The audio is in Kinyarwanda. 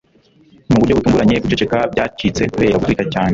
mu buryo butunguranye, guceceka byacitse kubera guturika cyane